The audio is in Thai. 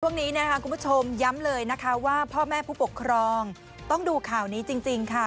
วันนี้คุณผู้ชมย้ำเลยว่าพ่อแม่ผู้ปกครองต้องดูข่าวนี้จริงค่ะ